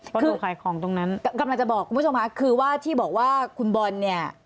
ก็ดูขายของตรงนั้นกลับมาจะบอกคุณผู้ชมฮะคือว่าที่บอกว่าคุณบอลเนี่ย